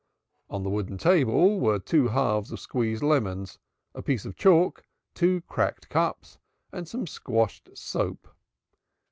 On the wooden table were two halves of squeezed lemons, a piece of chalk, two cracked cups and some squashed soap.